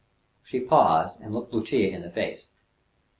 She paused, and looked Lucia in the face.